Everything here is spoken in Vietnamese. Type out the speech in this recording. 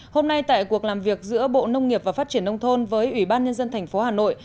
hôm nay tại cuộc làm việc giữa bộ nông nghiệp và phát triển nông thôn với ủy ban nhân dân thành phố hà nội